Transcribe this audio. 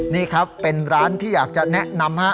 นี่ครับเป็นร้านที่อยากจะแนะนำฮะ